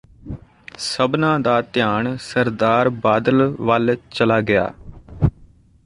ਸਭਨਾਂ ਦਾ ਧਿਆਨ ਸਰਦਾਰ ਬਾਦਲ ਵੱਲ ਚਲਾ ਗਿਆ